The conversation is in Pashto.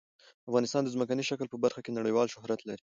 افغانستان د ځمکنی شکل په برخه کې نړیوال شهرت لري.